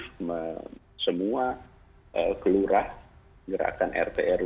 untuk semua kelurahan gerakan rt rw